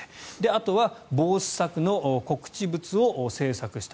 あとは防止策の告知物を製作した。